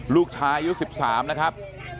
ลูกชายอายุ๑๓นะครับ